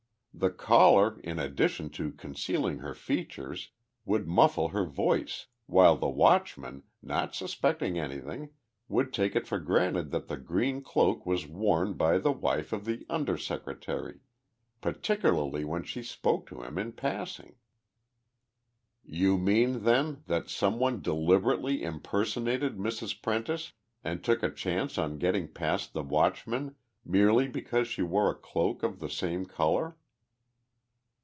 The collar, in addition to concealing her features, would muffle her voice, while the watchman, not suspecting anything, would take it for granted that the green cloak was worn by the wife of the Under Secretary particularly when she spoke to him in passing." "You mean, then, that some one deliberately impersonated Mrs. Prentice and took a chance on getting past the watchman merely because she wore a cloak of the same color?"